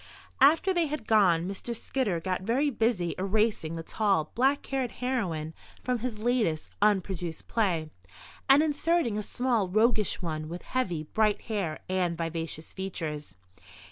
After they had gone Mr. Skidder got very busy erasing the tall, black haired heroine from his latest (unproduced) play and inserting a small, roguish one with heavy, bright hair and vivacious features.